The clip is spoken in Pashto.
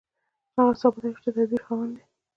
هغه ثابته کړه چې د تدبير خاوند دی.